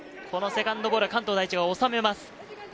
このセカンドボールは関東第一が収めます。